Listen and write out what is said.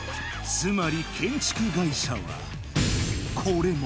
つまり建築会社はこれも！